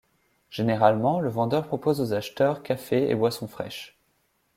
Généralement, le vendeur propose aux acheteurs cafés et boissons fraiches.